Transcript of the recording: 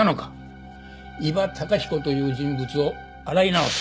伊庭崇彦という人物を洗い直す。